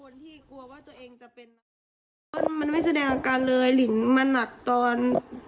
มันไม่แสดงอาการเลยหลินมาหนักตอน